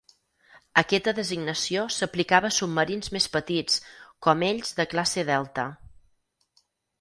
Aquesta designació s'aplicava a submarins més petits com ells de classe Delta.